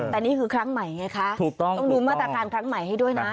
แต่นี่คือครั้งใหม่ไงคะถูกต้องต้องดูมาตรการครั้งใหม่ให้ด้วยนะ